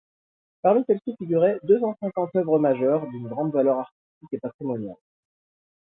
Parmi celles-ci, figuraient deux cent cinquante œuvres majeures d'une grande valeur artistique et patrimoniale.